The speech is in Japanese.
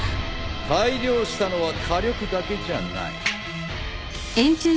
改良したのは火力だけじゃない。